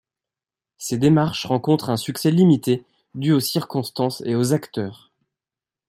Ces démarches rencontrent un succès limité, dû aux circonstances et aux acteurs.